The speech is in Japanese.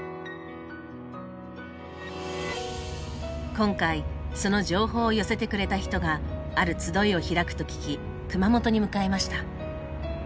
今回その情報を寄せてくれた人がある集いを開くと聞き熊本に向かいました。